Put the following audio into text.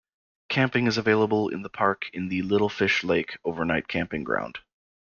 Camping is available in the park in the "Little Fish Lake" overnight camping ground.